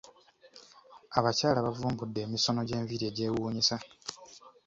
Abakyala bavumbudde emisono gy’enviri egyewuunyisa.